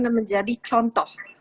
dan menjadi contoh